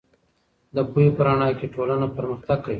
د پوهې په رڼا کې ټولنه پرمختګ کوي.